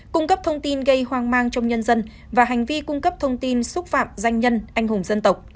cung cấp thông tin gây hoang mang trong nhân dân và hành vi cung cấp thông tin xúc phạm danh nhân anh hùng dân tộc